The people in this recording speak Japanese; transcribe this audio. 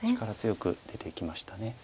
力強く出ていきました。